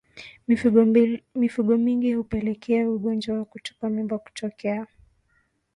Mifugo mingi hupelekea ugonjwa wa kutupa mimba kutokea